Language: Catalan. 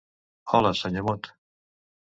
Hola, senyor Mot.